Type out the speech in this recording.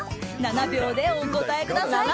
７秒でお答えください。